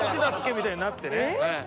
みたいになってね。